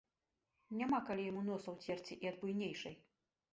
Няма калі яму носа ўцерці і ад буйнейшай.